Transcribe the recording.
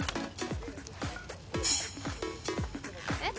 えっ？